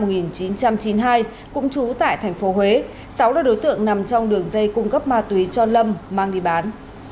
từ năm một nghìn chín trăm chín mươi hai cũng trú tại thành phố huế sáu đối tượng nằm trong đường dây cung cấp ma túy cho lâm mang đi bán